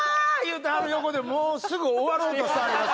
言うてはる横でもうすぐ終わろうとしてはりました。